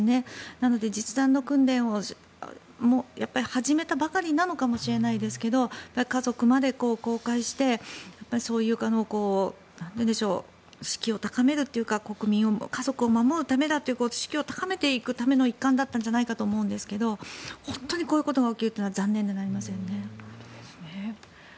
なので実弾訓練を始めたばかりなのかもしれませんが家族まで公開して士気を高めるというか国民、家族を守るためだと士気を高めていくための一環だったんじゃないかと思いますがこういうことが起きるのは残念でなりませんね。